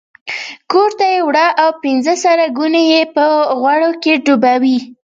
کورته یې وړه او پنځه سره ګوني یې په غوړو کې ډوبې وې.